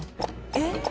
えっ？